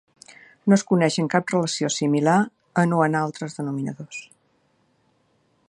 No es coneixen cap relació similar en o en altres denominadors.